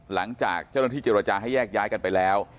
หลังจากเจ้าหน้าที่เจรจาให้แยกย้ายกันไปแล้ว